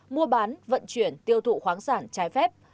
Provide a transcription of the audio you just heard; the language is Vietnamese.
mua bán vận chuyển tiêu thụ khoáng sản trái phép